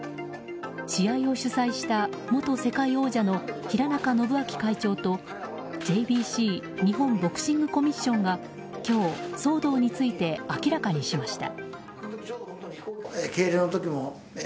試合を主催した元世界王者の平仲信明会長とＪＢＣ・日本ボクシングコミッションが今日、騒動について明らかにしました。